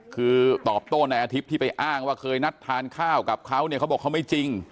คือตอบโต้ในอาทิตย์ที่ไปอ้างว่าเคยนัดทานข้าวกับเขาเนี่ยเขาบอกเขาไม่จริง